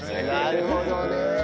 なるほどね。